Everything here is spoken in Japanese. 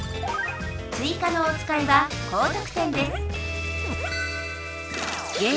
追加のおつかいは高得点です